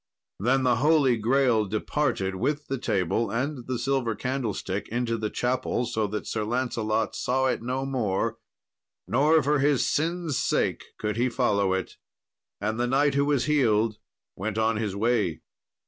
Then the Holy Grale departed with the table and the silver candlestick into the chapel, so that Sir Lancelot saw it no more, nor for his sins' sake could he follow it. And the knight who was healed went on his way.